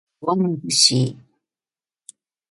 太陽はまぶしい